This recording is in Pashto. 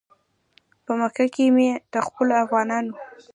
په مکه کې مې د خپلو افغانانو.